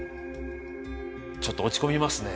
ちょっと落ち込みますね。